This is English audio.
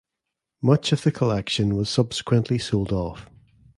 Much of the collection was subsequently sold off.